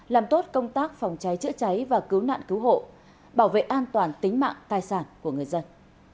làm tốt công tác phòng cháy chữa cháy và cứu nạn cứu hộ bảo vệ an toàn tính mạng tài sản của người dân